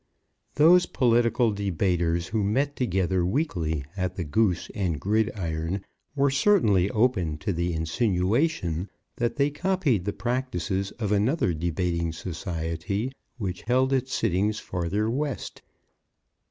Those political debaters who met together weekly at the "Goose and Gridiron" were certainly open to the insinuation that they copied the practices of another debating society, which held its sittings farther west.